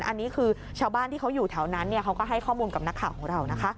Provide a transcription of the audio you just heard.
อันนี้คือชาวบ้านที่เขาอยู่แถวนั้นเขาก็ให้ข้อมูลกับนักข่าวของเรานะคะ